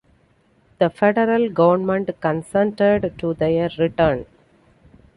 The federal government consented to their return.